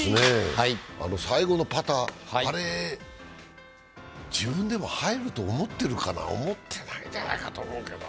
最後のパター、あれ自分でも入ると思ってるかな、思ってないんじゃないかと思うけど。